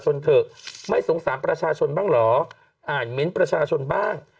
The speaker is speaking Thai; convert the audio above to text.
เถอะไม่สงสารประชาชนบ้างเหรออ่านเม้นต์ประชาชนบ้าง